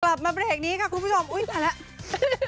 กลับมาเป็นแห่งนี้ค่ะคุณผู้ชมอุ๊ยพันแล้ว